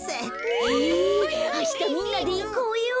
えあしたみんなでいこうよ！